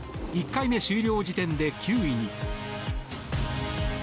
１回目終了時点で９位に。